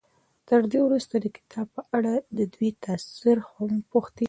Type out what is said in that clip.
تر دې وروسته د کتاب په اړه د دوی تأثر هم پوښتئ.